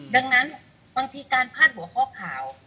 ดังนั้นบางทีการพาดหัวข้อข่าว